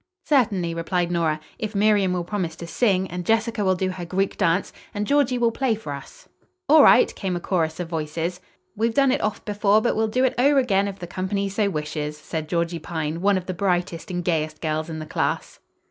"Certainly," replied Nora, "if Miriam will promise to sing, and Jessica will do her Greek dance, and Georgie will play for us." "All right!" came a chorus of voices. "We've done it oft before, but we'll do it o'er again if the company so wishes," said Georgie Pine, one of the brightest and gayest girls in the class.